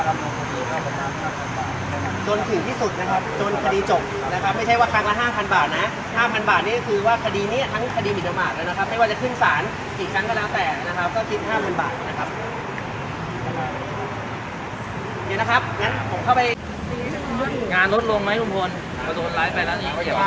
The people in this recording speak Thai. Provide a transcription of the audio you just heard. ๕๐๐๐บาทนี่คือว่าคดีนี้ทั้งคดีมิตรโมงครัวแล้วนะครับ